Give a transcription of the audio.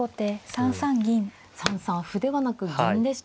３三歩ではなく銀でした。